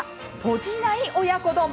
とじない親子丼。